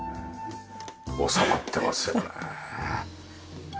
収まってますよね。